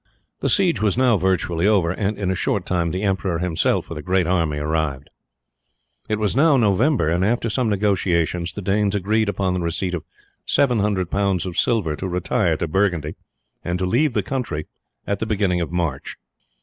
The siege was now virtually over, and in a short time the emperor himself with a great army arrived. It was now November, and after some negotiations the Danes agreed upon the receipt of seven hundred pounds of silver to retire to Burgundy and to leave the country at the beginning of March.